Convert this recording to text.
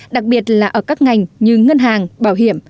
đặc biệt là ở các ngành như ngân hàng bảo hiểm